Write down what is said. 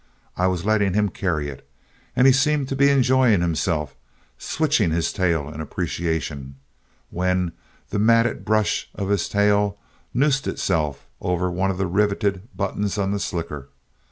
I was letting him carry it, and he seemed to be enjoying himself, switching his tail in appreciation, when the matted brush of his tail noosed itself over one of the riveted buttons on the slicker.